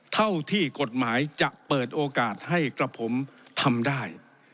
เท่าที่กฎหมายจะเปิดโอกาสให้กระผมทำได้